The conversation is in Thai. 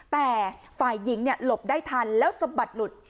แต่ฝ่ายหญิงหลบได้ทันแล้วสะบัดหลุด